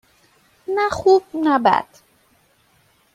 نه خوب - نه بد.